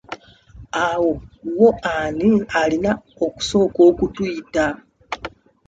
Awo wo ani alina okusooka okutuyita?